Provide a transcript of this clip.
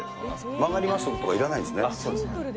曲がりますとか、いらないんそうです。